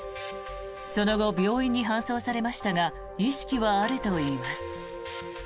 その後、病院に搬送されましたが意識はあるといいます。